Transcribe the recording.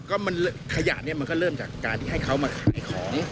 ก็มันขยะเนี่ยมันก็เริ่มจากการที่ให้เขามาขายของ